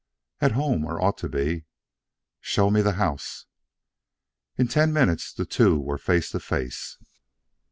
"At home, or ought to be." "Show me the house." In ten minutes the two were face to face.